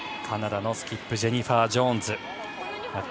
カナダのスキップジェニファー・ジョーンズ。